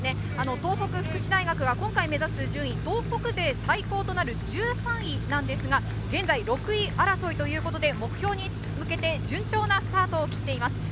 東北福祉大が今回目指す順位、東北勢で最高となる１３位ですが、現在６位争いということで目標に向けて順調なスタートを切っています。